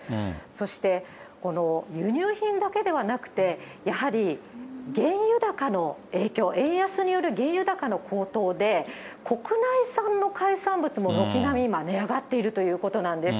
そしてこの輸入品だけではなくて、やはり原油高の影響、円安による原油高の高騰で、国内産の海産物も軒並み今、値上がっているということなんです。